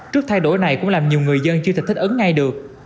trước thay đổi này cũng làm nhiều người dân chưa thể thích ứng ngay được